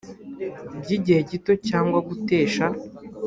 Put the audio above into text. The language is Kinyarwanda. by igihe gito cyangwa gutesha